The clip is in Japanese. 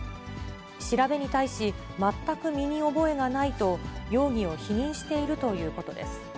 調べに対し、全く身に覚えがないと、容疑を否認しているということです。